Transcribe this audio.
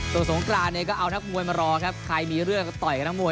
ส่วนสงกรานเนี่ยก็เอานักมวยมารอครับใครมีเรื่องก็ต่อยกับนักมวย